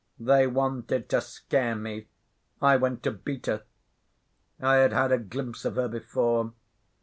They wanted to scare me. I went to beat her. I had had a glimpse of her before.